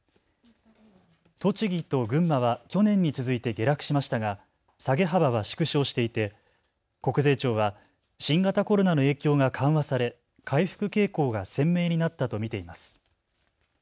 栃木と群馬は去年に続いて下落しましたが下げ幅は縮小していて国税庁は新型コロナの影響が緩和され回復傾向が鮮明になったと見ています。